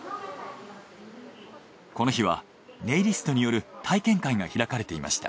この日はネイリストによる体験会が開かれていました。